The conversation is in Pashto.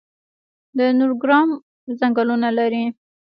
د نورګرام ځنګلونه لري